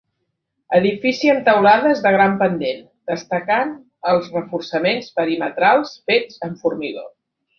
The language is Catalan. Edifici amb teulades de gran pendent, destacant els reforçaments perimetrals fets amb formigó.